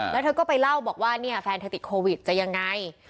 แล้วเธอก็ไปเล่าบอกว่าเนี่ยแฟนเธอติดโควิดจะยังไง